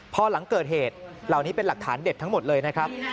พอหลังเกิดเหตุเหล่านี้เป็นหลักฐานเด็ดทั้งหมดเลยนะครับ